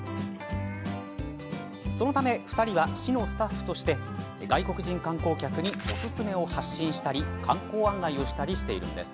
そのため、２人は市のスタッフとして外国人観光客におすすめを発信したり観光案内をしたりしているんです。